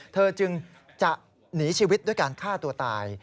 เธอจึงจะหนีชีวิตด้วยการฆ่าตัวตาย